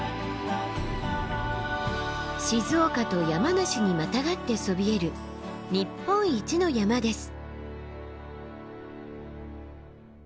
静岡と山梨にまたがってそびえる日本一の山です。